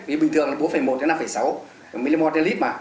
vì bình thường là bốn một năm sáu mmol l